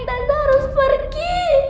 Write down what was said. tentu harus pergi